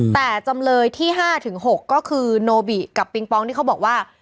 แต่จำเลยที่๕๖ก็คือโนบิกับปิงปองที่เขาบอกว่า